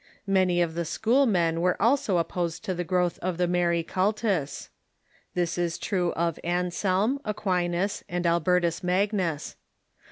Many of the schoolmen Avere also opposed to the growth of the Mary cultus. This is true of Anselm, Aquinas, and Albertus Magnus.